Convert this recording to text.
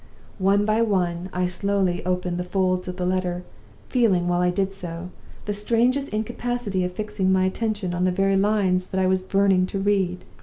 "One by one I slowly opened the folds of the letter; feeling, while I did so, the strangest incapability of fixing my attention on the very lines that I was burning to read.